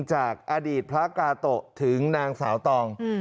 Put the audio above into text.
จากอดีตพระกาโตะถึงนางสาวตอง